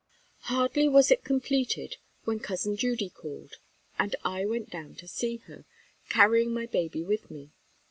Hardly was it completed, when Cousin Judy called, and I went down to see her, carrying my baby with me.